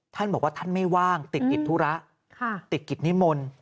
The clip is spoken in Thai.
ท่านบอกว่าท่านไม่ว่างติดกิจธุระติดกิจนิมนต์